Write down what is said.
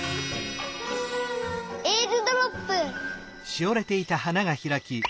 えーるドロップ！